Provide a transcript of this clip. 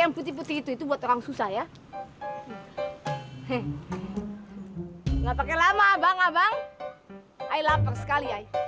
yang putih putih itu buat orang susah ya he he nggak pakai lama abang abang i lapar sekali